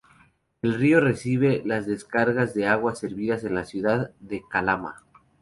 El río recibe las descargas de aguas servidas de la ciudad de Calama.